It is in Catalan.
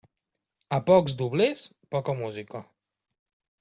A pocs doblers, poca música.